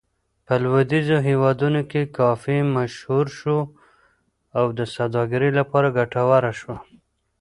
په لویدیځو هېوادونو کې کافي مشهور شو او د سوداګرۍ لپاره ګټوره شوه.